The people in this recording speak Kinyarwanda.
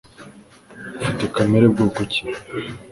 Ufite kamera bwoko ki?